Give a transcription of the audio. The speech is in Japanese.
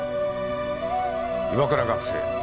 岩倉学生。